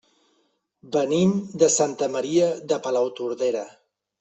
Venim de Santa Maria de Palautordera.